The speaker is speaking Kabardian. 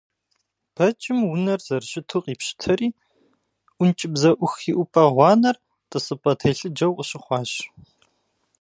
Бэджым унэр зэрыщыту къипщытэри, ӀункӀыбзэӀух иӀупӀэ гъуанэр тӀысыпӀэ телъыджэу къыщыхъуащ.